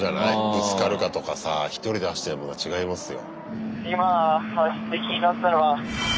ぶつかるかとかさ１人で走ってるのと違いますよ。